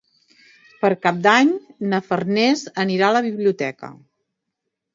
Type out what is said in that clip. Per Cap d'Any na Farners anirà a la biblioteca.